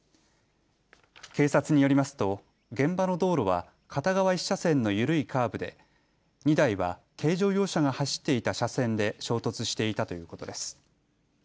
警察によりますと現場の道路は片側１車線の緩いカーブで２台は軽乗用車が走っていた車線で衝突していたということです。